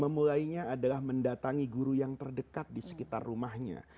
memulainya adalah mendatangi guru yang terdekat di sekitar rumahnya